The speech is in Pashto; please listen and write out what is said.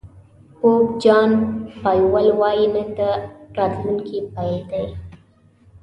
پوپ جان پایول وایي نن د راتلونکي پيل دی.